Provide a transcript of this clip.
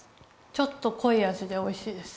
ちょっとこい味でおいしいです。